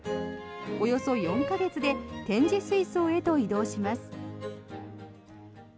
およそ４か月で展示水槽へと移動します。